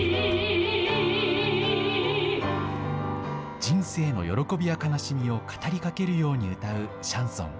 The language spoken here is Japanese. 人生の喜びや悲しみを語りかけるように歌うシャンソン。